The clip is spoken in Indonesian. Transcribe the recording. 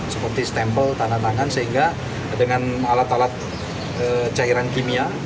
seperti stempel tanda tangan sehingga dengan alat alat cairan kimia